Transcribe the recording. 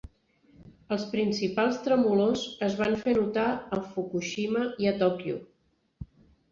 Els principals tremolors es van fer notar en Fukushima i a Tòquio.